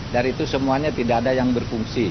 dari itu semuanya tidak ada yang berfungsi